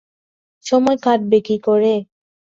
সময় কাটবে কী করে?